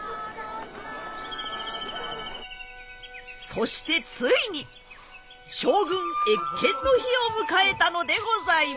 そしてついに将軍謁見の日を迎えたのでございます。